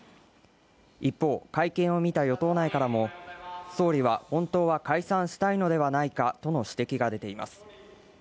一方、会見を見た与党内からも総理は、本当は解散したいのではないかとの指摘が出ています。